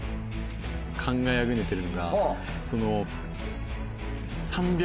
考えあぐねてるのが。